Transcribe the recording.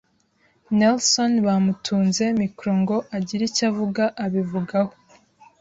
Nelson bamutunze micro ngo agire icyo abivugaho